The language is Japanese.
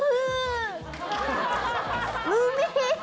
うめえ！